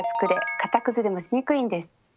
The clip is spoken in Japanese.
形崩れもしにくいんです。